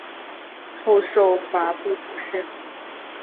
后授法部主事。